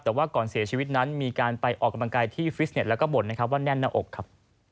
แต่ว่าก่อนเสียชีวิตนั้นมีการไปออกกำลังกายที่ฟิสเน็ตแล้วก็บ่นนะครับว่าแน่นหน้าอกครับ